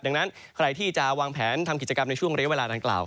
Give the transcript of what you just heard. ดังนั้นใครที่จะวางแผนทำกิจกรรมในช่วงเรียกเวลาดังกล่าว